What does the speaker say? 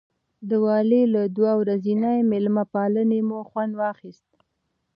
د والي له دوه ورځنۍ مېلمه پالنې مو خوند واخیست.